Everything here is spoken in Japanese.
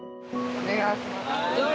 お願いします。